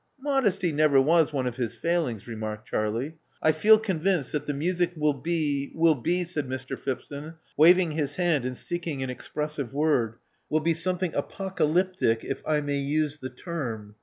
*' Modesty never was one of his failings," remarked Charlie. '*I feel convinced that the music will be — will be —" said Mr. Phipson, waving his hand, and seeking an expressive word, will be something apocalyptic, if I may use the term.